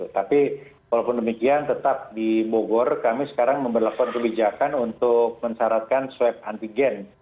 tapi walaupun demikian tetap di bogor kami sekarang memperlakukan kebijakan untuk mensyaratkan swab antigen